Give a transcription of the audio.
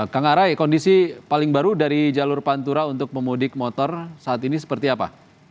kang arai kondisi paling baru dari jalur pantura untuk pemudik motor saat ini seperti apa